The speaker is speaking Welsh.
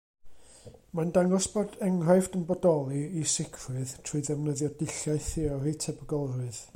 Mae'n dangos bod enghraifft yn bodoli, i sicrwydd, trwy ddefnyddio dulliau theori tebygolrwydd.